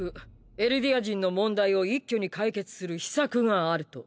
エルディア人の問題を一挙に解決する「秘策」があると。